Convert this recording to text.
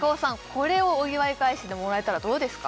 これをお祝い返しでもらえたらどうですか？